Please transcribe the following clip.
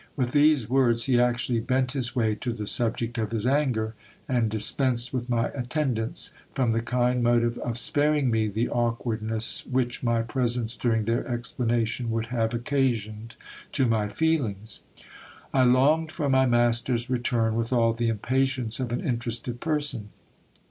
With these words, he actually bent his way to the subject of his anger ; and dispensed with my attendance, from the kind motive of sparing me the awkwardness which my presence during their explanation would have occasioned to my feelings. I longed for my master's return with all the impatience of an interested per son.